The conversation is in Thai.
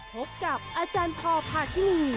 พบกับอาจารย์พอด์พาทิวนี่